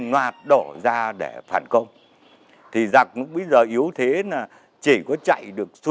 nhưng với niềm tự hào về truyền thống quê hương